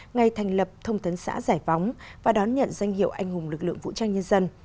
ngày thành lập thông tấn xã giải phóng và đón nhận danh hiệu anh hùng lực lượng vũ trang nhân dân